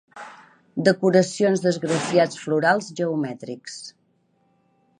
Decoracions d'esgrafiats florals geomètrics.